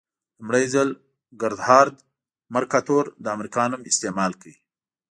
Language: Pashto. لومړي ځل ګردهارد مرکاتور د امریکا نوم استعمال کړ.